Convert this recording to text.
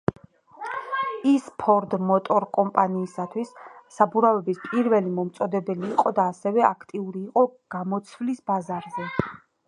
ის ფორდ მოტორ კომპანიისთვის საბურავების პირველი მიმწოდებელი იყო და ასევე აქტიური იყო გამოცვლის ბაზარზე.